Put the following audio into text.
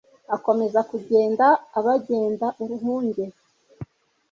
Akomeza kugenda abagenda uruhunge